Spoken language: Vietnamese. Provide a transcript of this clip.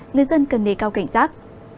người dân cần nề cao cảnh giác